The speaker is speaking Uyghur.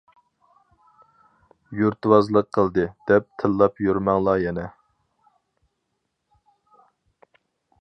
يۇرتۋازلىق قىلدى دەپ تىللاپ يۈرمەڭلار يەنە.